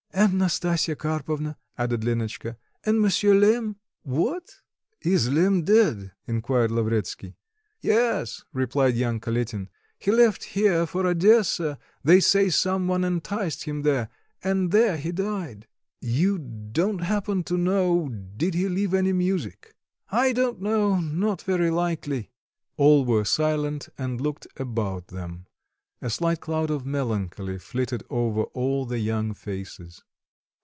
"And Nastasya Karpovna," added Lenotchka, "and Monsier Lemm." "What? is Lemm dead?" inquired Lavretsky. "Yes," replied young Kalitin, "he left here for Odessa; they say some one enticed him there; and there he died." "You don't happen to know,... did he leave any music?" "I don't know; not very likely." All were silent and looked about them. A slight cloud of melancholy flitted over all the young faces.